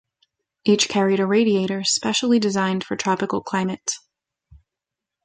Each carried a radiator specially designed for tropical climates.